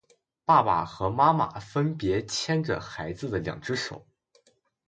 爸爸和妈妈分别牵着孩子的两只手